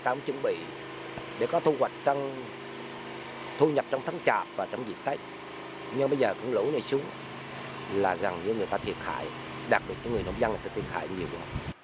đặc biệt người nông dân là người ta thiệt hại nhiều